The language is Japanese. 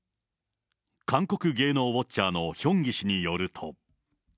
韓国芸能ウォッチャーのヒョンギ氏によると。